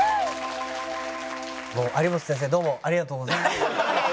有元先生どうもありがとうございました！